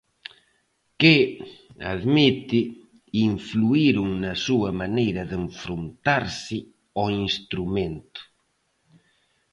Que, admite, influíron na súa maneira de enfrontarse ao instrumento.